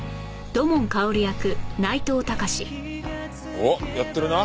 おっやってるな？